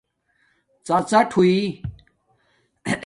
ڎڎاٹ ہوئئ